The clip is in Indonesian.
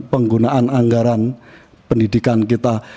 penggunaan anggaran pendidikan kita